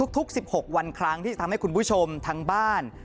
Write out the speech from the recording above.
๑๖วันครั้งที่จะทำให้คุณผู้ชมทั้งบ้าน